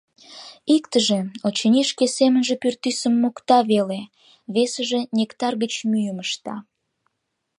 Иктыже, очыни, шке семынже пӱртӱсым мокта веле, весыже нектар гыч мӱйым ышта.